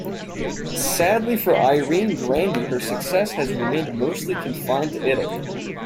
Sadly for Irene Grandi her success has remained mostly confined to Italy.